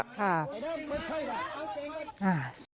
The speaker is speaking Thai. ครับ